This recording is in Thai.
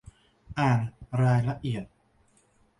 อ่านรายละเอียด